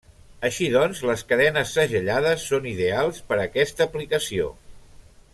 Així doncs les cadenes segellades són ideals per aquesta aplicació.